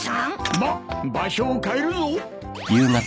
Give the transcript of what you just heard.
ばっ場所を変えるぞ！